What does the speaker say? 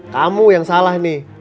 kamu yang salah nih